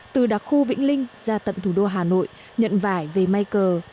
từ đặc khu vĩnh linh ra tận thủ đô hà nội nhận vải về may cờ